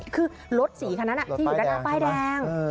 คือรถสีคนนั้นน่ะที่อยู่กันนะป้ายแดง